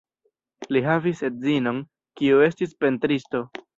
Li havis edzinon, kiu estis pentristo.